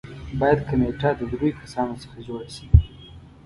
باید کمېټه د دریو کسانو څخه جوړه شي.